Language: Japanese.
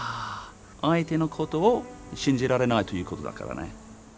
相手のことを信じられないということだからね。